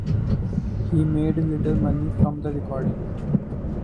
He made little money from the recording.